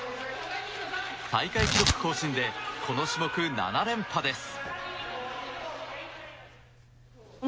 大会記録更新でこの種目７連覇です。